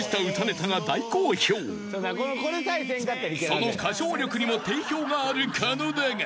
［その歌唱力にも定評がある狩野だが］